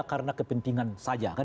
bukan karena kepentingan saja